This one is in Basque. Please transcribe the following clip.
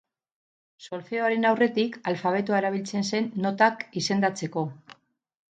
Solfeoaren aurretik alfabetoa erabiltzen zen notak izendatzeko.